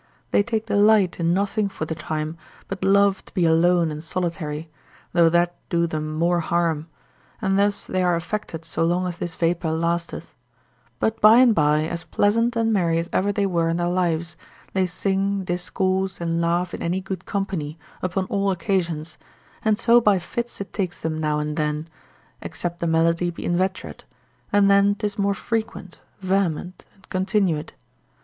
They take delight in nothing for the time, but love to be alone and solitary, though that do them more harm: and thus they are affected so long as this vapour lasteth; but by and by, as pleasant and merry as ever they were in their lives, they sing, discourse, and laugh in any good company, upon all occasions, and so by fits it takes them now and then, except the malady be inveterate, and then 'tis more frequent, vehement, and continuate.